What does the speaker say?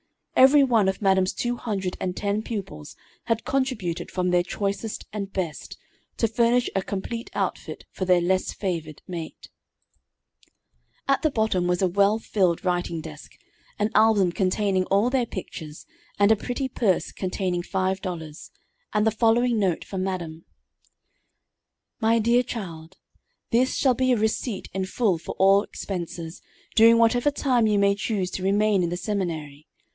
Every one of madam's two hundred and ten pupils had contributed from their choicest and best, to furnish a complete outfit for their less favored mate. [Illustration: "On the floor, crying like a baby."] At the bottom was a well filled writing desk, an album containing all their pictures, and a pretty purse containing $5, and the following note from madam: "MY DEAR CHILD: This shall be a receipt in full for all expenses, during whatever time you may choose to remain in the seminary.